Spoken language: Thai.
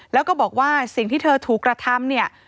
แล้วก็บอกว่าสิ่งที่เธอถูกกระทำเนี่ย